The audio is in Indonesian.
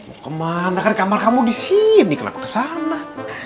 mau kemana kan kamar kamu disini kenapa kesana